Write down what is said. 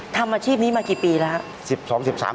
ทำอาชีพนี้มากี่ปีแล้วครับ